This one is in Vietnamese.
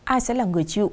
ai sẽ là người chịu